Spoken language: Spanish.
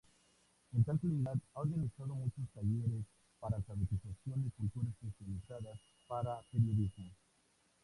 En tal calidad ha organizado muchos talleres, para alfabetización y cultura especializadas para periodismo.